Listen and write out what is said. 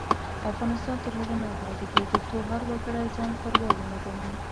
افغانستان تر هغو نه ابادیږي، ترڅو هر وګړی ځان ښاروال ونه ګڼي.